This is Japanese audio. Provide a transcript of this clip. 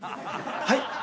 はい？